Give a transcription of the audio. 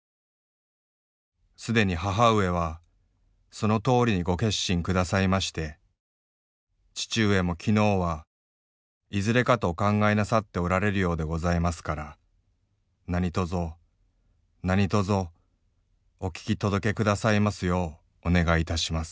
既に母上はそのとおりに御決心下さいまして父上も昨日はいずれかと御考えなさっておられるようでございますから何卒何卒御聞き届け下さいますようお願いいたします」。